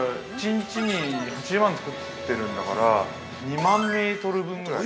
◆１日に８０万作ってるんだから２万メートル分ぐらい。